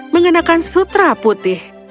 mengenakan sutra putih